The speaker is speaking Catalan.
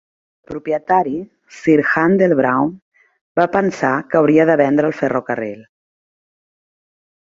El propietari, sir Handel Brown, va pensar que hauria de vendre el ferrocarril.